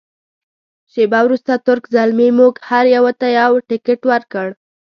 شیبه وروسته تُرک زلمي موږ هر یوه ته یو تکټ ورکړ.